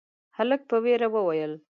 هلک په وېره وويل: